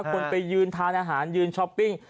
คนไปยืนทานอาหารยืนช้อปปิ้ง